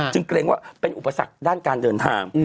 เกรงว่าเป็นอุปสรรคด้านการเดินทาง